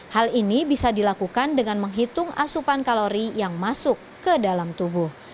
hal ini bisa dilakukan dengan menghitung asupan kalori yang masuk ke dalam tubuh